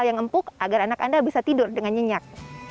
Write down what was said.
lalu juga pilih lokal yang empuk agar anak anda bisa tidur dengan nyenyak